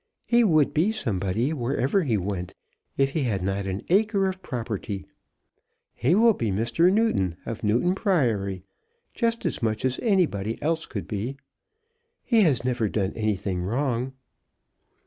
He would be somebody, wherever he went, if he had not an acre of property. He will be Mr. Newton, of Newton Priory, just as much as anybody else could be. He has never done anything wrong."